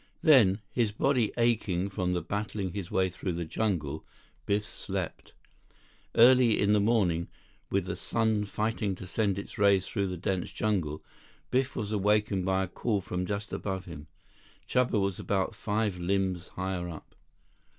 Then, his body aching from battling his way through the jungle, Biff slept. Early in the morning, with the sun fighting to send its rays through the dense jungle, Biff was awakened by a call from just above him. Chuba was about five limbs higher up.